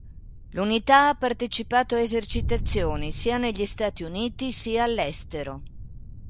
L'unità ha partecipato a esercitazioni, sia negli Stati Uniti sia all'estero.